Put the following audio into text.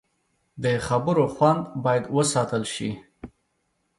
د خبرو خوند باید وساتل شي